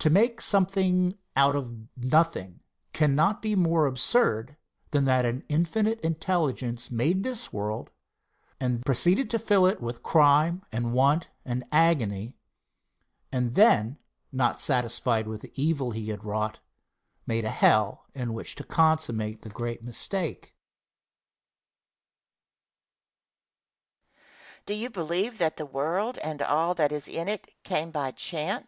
To make something out of nothing cannot be more absurd than that an infinite intelligence made this world, and proceeded to fill it with crime and want and agony, and then, not satisfied with the evil he had wrought, made a hell in which to consummate the great mistake. Question. Do you believe that the world, and all that is in it came by chance?